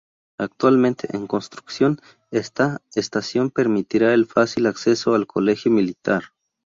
Actualmente en construcción esta estación permitirá el fácil acceso al Colegio Militar.